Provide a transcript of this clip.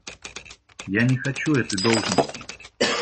Я не хочу этой должности.